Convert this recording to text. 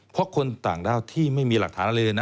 เพราะคนต่างด้าวที่ไม่มีหลักฐานอะไรเลยนะ